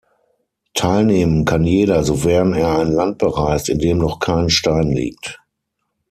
Teilnehmen kann jeder, sofern er ein Land bereist, in dem noch kein Stein liegt.